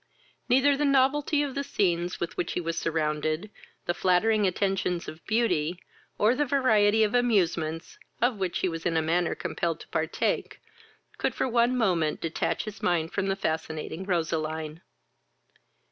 Neither the novelty of the scenes with which he was surrounded, the flattering attentions of beauty, or the variety of amusements, of which he was in a manner compelled to partake, could for one moment detach his mind from the fascinating Roseline.